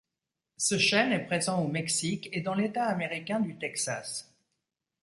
Ce chêne est présent au Mexique et dans l'État américain du Texas.